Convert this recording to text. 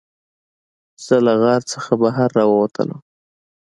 زه له غار څخه بهر راووتلم.